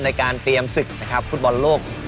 ในการเตรียมศึกภูตบอลโลก